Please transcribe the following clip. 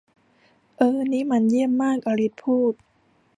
'เอ่อนี่มันเยี่ยมมาก !' อลิซพูด